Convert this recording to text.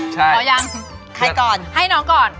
ใช่น้อยังให้ก่อนให้น้องก่อน